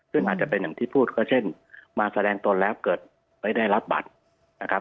ซึ่งอาจจะเป็นอย่างที่พูดก็เช่นมาแสดงตนแล้วเกิดไม่ได้รับบัตรนะครับ